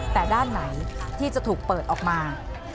แต่ด้านไหนที่จะถูกเปิดออกมา